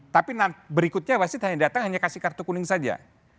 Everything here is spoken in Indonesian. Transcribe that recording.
tapi berikutnya wasit hanya datang hanya kasih kartu kuning saja